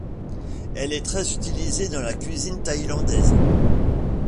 Elle est très utilisée dans la cuisine thaïlandaise.